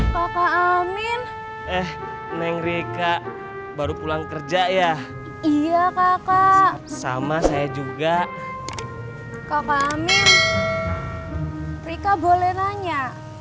papa amin eh meng rika baru pulang kerja ya iya kak sama saya juga kakak amin rika boleh nanya